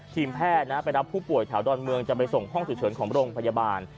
ทีมแพทย์ไปรับผู้ป่วยแถวดอนเมืองจะไปส่งห้องฉุกเฉินของโรงพยาบาล